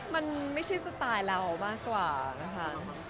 มันไม่ใช่สไตล์เรามากกว่านะคะ